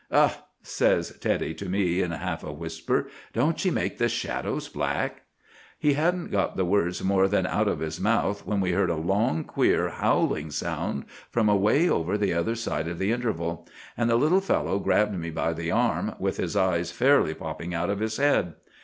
'Ugh!' says Teddy to me in half a whisper, 'don't she make the shadows black?' He hadn't got the words more than out of his mouth when we heard a long, queer, howling sound from away over the other side of the interval; and the little fellow grabbed me by the arm, with his eyes fairly popping out of his head.